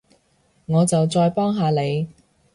我就再幫下你